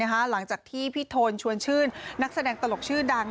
หลังจากที่พี่โทนชวนชื่นนักแสดงตลกชื่อดัง